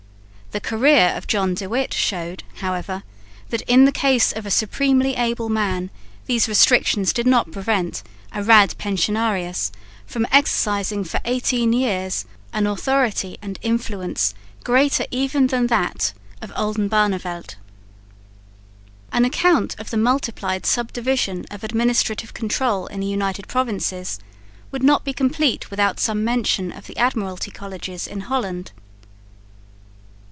The career of John de Witt showed, however, that in the case of a supremely able man these restrictions did not prevent a Raad Pensionarius from exercising for eighteen years an authority and influence greater even than that of Oldenbarneveldt. An account of the multiplied subdivision of administrative control in the United Provinces would not be complete without some mention of the Admiralty Colleges in Holland.